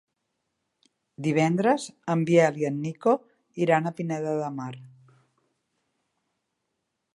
Divendres en Biel i en Nico iran a Pineda de Mar.